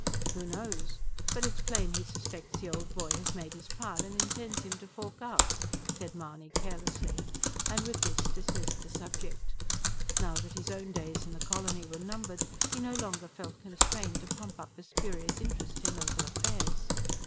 "Who knows! But it's plain he suspects the old boy has made his pile and intends him to fork out," said Mahony carelessly; and, with this, dismissed the subject. Now that his own days in the colony were numbered, he no longer felt constrained to pump up a spurious interest in local affairs.